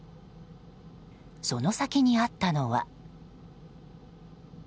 その先にあったのは。